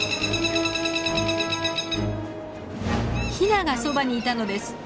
ヒナがそばにいたのです。